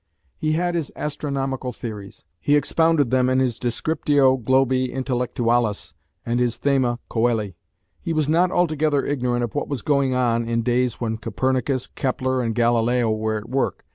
He had his astronomical theories; he expounded them in his "Descriptio Globi Intellectualis" and his Thema Coeli He was not altogether ignorant of what was going on in days when Copernicus, Kepler, and Galileo were at work.